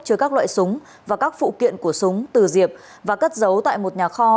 chứa các loại súng và các phụ kiện của súng từ diệp và cất giấu tại một nhà kho